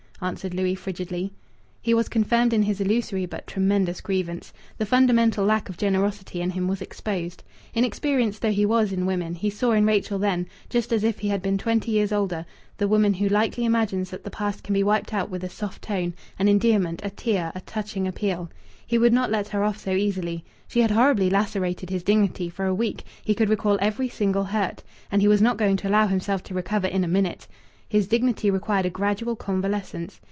answered Louis frigidly. He was confirmed in his illusory but tremendous grievance. The fundamental lack of generosity in him was exposed. Inexperienced though he was in women, he saw in Rachel then, just as if he had been twenty years older, the woman who lightly imagines that the past can be wiped out with a soft tone, an endearment, a tear, a touching appeal. He would not let her off so easily. She had horribly lacerated his dignity for a week he could recall every single hurt and he was not going to allow himself to recover in a minute. His dignity required a gradual convalescence.